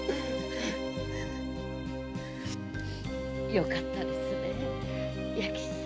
よかったですね弥吉さん。